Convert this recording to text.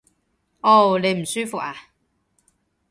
嗷！你唔舒服呀？